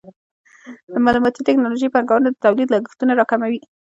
د معلوماتي ټکنالوژۍ پانګونه د تولید لګښتونه راکموي.